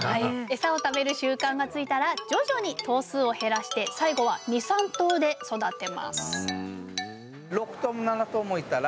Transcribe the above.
エサを食べる習慣がついたら徐々に頭数を減らして最後は２３頭で育てます